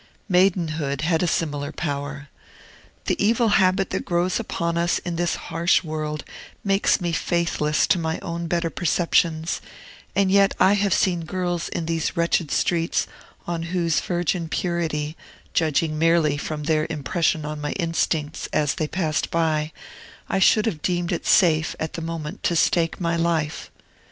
Maidenhood had a similar power. The evil habit that grows upon us in this harsh world makes me faithless to my own better perceptions; and yet I have seen girls in these wretched streets, on whose virgin purity, judging merely from their impression on my instincts as they passed by, I should have deemed it safe, at the moment, to stake my life.